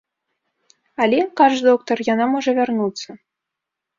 Але, кажа доктар, яна можа вярнуцца.